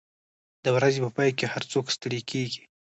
د ورځې په پای کې هر څوک ستړي کېږي.